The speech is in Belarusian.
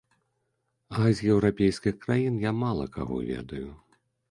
А з еўрапейскіх краін я мала каго ведаю.